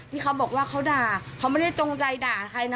เขาบอกว่าเขาด่าเขาไม่ได้จงใจด่าใครนะ